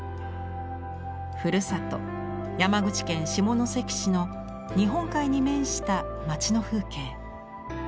ふるさと山口県下関市の日本海に面した町の風景。